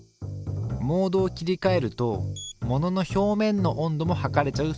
モードを切りかえるとものの表面の温度も測れちゃうすぐれもの。